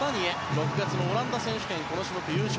６月のオランダ選手権この種目優勝。